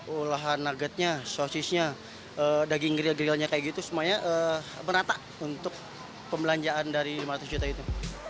olahan nuggetnya sosisnya daging gril grillnya kayak gitu semuanya merata untuk pembelanjaan dari lima ratus juta itu